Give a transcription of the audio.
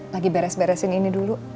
lagi beres beresin ini dulu